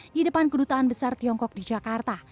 di depan kedutaan besar tiongkok di jakarta